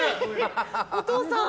お父さん！